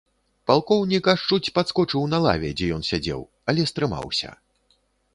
Палкоўнік аж чуць падскочыў на лаве, дзе ён сядзеў, але стрымаўся.